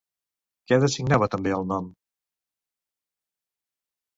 Què designava també el nom?